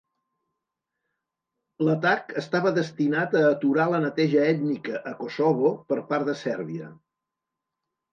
L'atac estava destinat a aturar la neteja ètnica a Kosovo per part de Sèrbia.